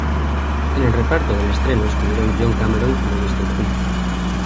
En el reparto del estreno estuvieron John Cameron como Mr Punch.